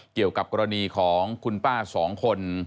เกี่ยวกับกรณีของคุณป้าสองคน